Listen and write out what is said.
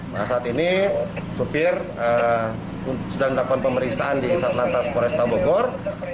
nah saat ini supir sedang melakukan pemeriksaan di satlantas poresta bogor